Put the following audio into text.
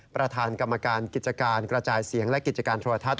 ประธานกรรมการกิจการกระจายเสียงและกิจการโทรทัศน